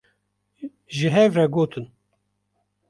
ji hev re gotin